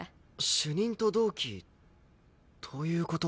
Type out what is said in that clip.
主任と同期という事は。